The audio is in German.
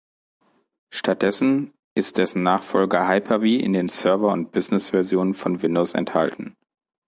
Stattdessen ist dessen Nachfolger Hyper-V in den Server- und Business-Versionen von Windows enthalten.